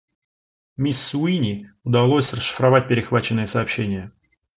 Мисс Суини удалось расшифровать перехваченные сообщения.